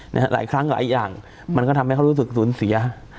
หลายครั้งหลายอย่างมันก็ทำให้เขารู้สึกสูญเสีย